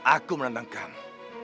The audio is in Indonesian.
aku menandang kamu